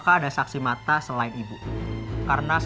hati hati ibu bilang